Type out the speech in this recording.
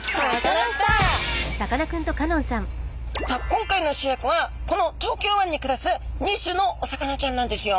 今回の主役はこの東京湾に暮らす２種のお魚ちゃんなんですよ。